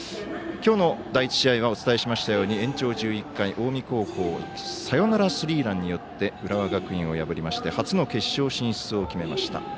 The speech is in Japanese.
きょうの第１試合はお伝えしましたように延長１１回、近江高校サヨナラスリーランによって浦和学院を破りまして初の決勝進出を決めました。